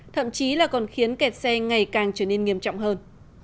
thậm chí là còn khiến kẹt xe ngày càng trở nên nghiêm trọng hơn